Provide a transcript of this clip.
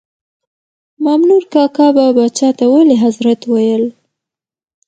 مامنور کاکا به پاچا ته ولي حضرت ویل.